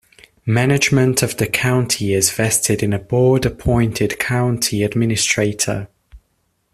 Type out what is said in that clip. Management of the County is vested in a Board-appointed County Administrator.